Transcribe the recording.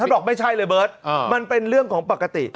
บอกไม่ใช่เลยเบิร์ตมันเป็นเรื่องของปกติ